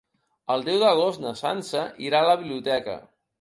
El deu d'agost na Sança irà a la biblioteca.